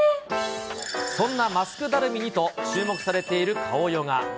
そんなマスクだるみにと、注目されている顔ヨガ。